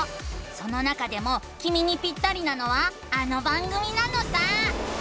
その中でもきみにピッタリなのはあの番組なのさ！